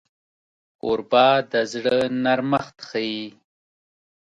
کوربه د زړه نرمښت ښيي.